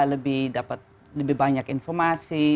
lebih dapat lebih banyak informasi